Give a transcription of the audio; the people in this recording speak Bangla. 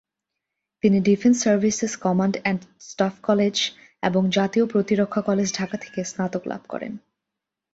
তিনি defence services command and staff college এবং জাতীয় প্রতিরক্ষা কলেজ ঢাকা থেকে স্নাতক লাভ করেন।